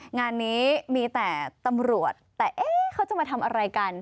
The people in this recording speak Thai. งานนี้มีแต่ตำรวจแต่เอ๊ะเขาจะมาทำอะไรกัน